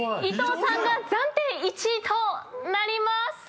伊藤さんが暫定１位となります。